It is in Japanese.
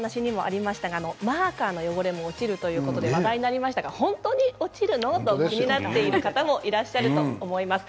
マーカーの汚れも落ちるということで話題になりましたが本当に落ちるの？と気になっている方がいらっしゃると思います。